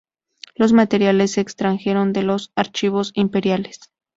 Los materiales se extrajeron de los archivos imperiales.